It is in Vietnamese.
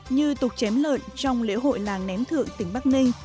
như tục chém lợn trong lễ hội làng ném thượng tỉnh bắc ninh